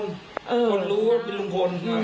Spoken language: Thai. คนรู้ว่าเป็นลุงพล